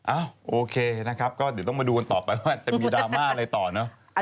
อ้าวโอเคนะครับก็เดี๋ยวต้องมาดูต่อไปไว้มีดราม่าอะไรต่อเนอะ